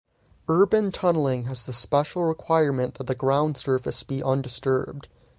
Urban tunnelling has the special requirement that the ground surface be undisturbed.